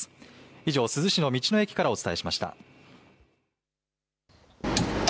以上、珠洲市の道の駅からお伝えしました。